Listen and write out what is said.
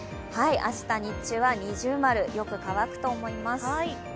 明日、日中は二重丸、よく乾くと思います。